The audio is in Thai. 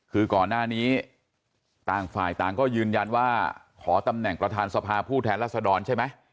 คือก่อนหน้านี้ต่างฝ่ายต่างก็ยืนยันว่าขอตำแหน่งประธานสภาผู้แทนรัศดรใช่ไหม